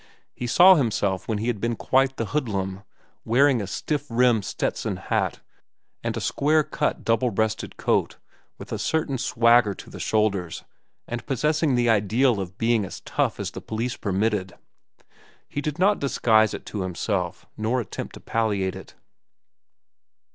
He saw himself when he had been quite the hoodlum, wearing a "stiff rim" Stetson hat and a square cut, double breasted coat, with a certain swagger to the shoulders and possessing the ideal of being as tough as the police permitted. He did not disguise it to himself, nor attempt to palliate it.